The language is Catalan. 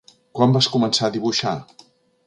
Quan vas començar a dibuixar?